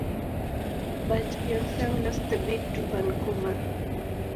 But Pyeongchang lost the bid to Vancouver.